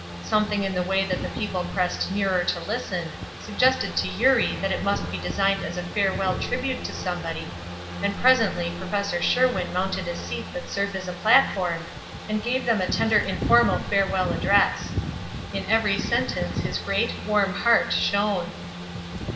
Something in the way that the people pressed nearer to listen suggested to Eurie that it must be designed as a farewell tribute to somebody, and presently Prof. Sherwin mounted a seat that served as a platform and gave them a tender informal farewell address. In every sentence his great, warm heart shone.